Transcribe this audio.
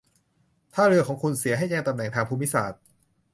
ถ้าเรือของคุณเสีย ให้แจ้งตำแหน่งทางภูมิศาสตร์